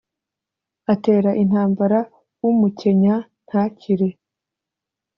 Atera intambara umukenya ntakire,